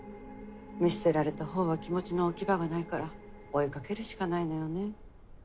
見捨てられた方は気持ちの置き場がないから追いかけるしかないのよね。